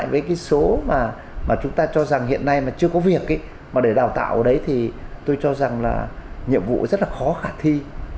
với cái số mà chúng ta cho rằng hiện nay mà chưa có việc mà để đào tạo đấy thì tôi cho rằng là nhiệm vụ rất là khó khả thi